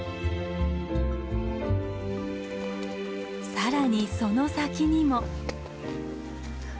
更にその先にも。